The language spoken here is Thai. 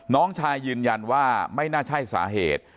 น้องชายยืนยันว่าไม่น่าใช่สาเหตุ